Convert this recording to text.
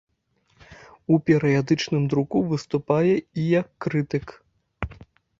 У перыядычным друку выступае і як крытык.